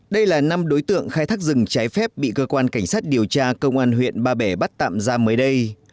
đây là năm đối tượng khai thác rừng trái phép bị cơ quan cảnh sát điều tra công an huyện ba bể bắt tạm ra mới đây